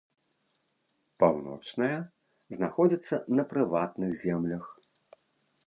Паўночная знаходзіцца на прыватных землях.